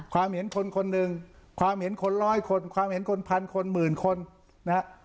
ความเห็นคนคนหนึ่งความเห็นคนร้อยคนความเห็นคนพันคนหมื่นคนนะฮะ